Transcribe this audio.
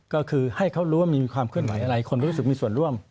ก็คือให้เขารู้ว่ามีความเคลื่อนไหวอะไรคนรู้สึกมีส่วนร่วม